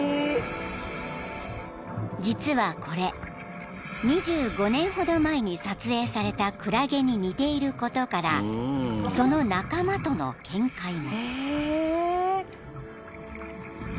［実はこれ２５年ほど前に撮影されたクラゲに似ていることからその仲間との見解も］